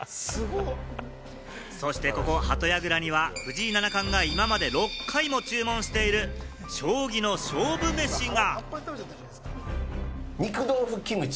そしてここ、鳩やぐらには藤井七冠が今まで６回も注文している将棋の勝負メシが。